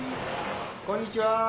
・・こんにちはー。